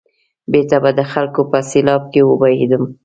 بېرته به د خلکو په سېلاب کې وبهېدم.